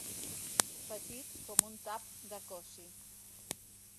Petit com un tap de cossi.